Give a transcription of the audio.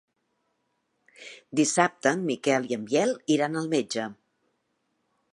Dissabte en Miquel i en Biel iran al metge.